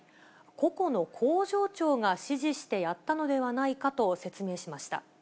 個々の工場長が指示してやったのではないかと説明しました。